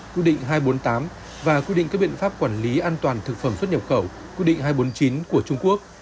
quy định hai trăm bốn mươi tám và quy định các biện pháp quản lý an toàn thực phẩm xuất nhập khẩu quy định hai trăm bốn mươi chín của trung quốc